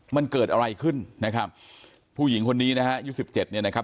มันเกิดอะไรขึ้นนะครับผู้หญิงคนนี้นะฮะอายุสิบเจ็ดเนี่ยนะครับ